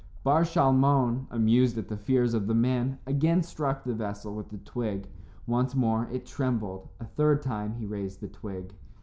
Bar Shalmon, amused at the fears of the men, again struck the vessel with the twig. Once more it trembled. A third time he raised the twig.